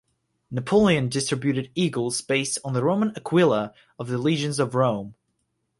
Napoleon distributed "eagles" based on the Roman aquila of the legions of Rome.